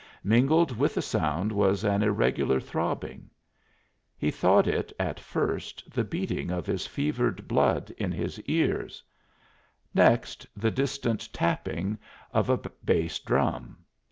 Mingled with the sound was an irregular throbbing. He thought it, at first, the beating of his fevered blood in his ears; next, the distant tapping of a bass drum.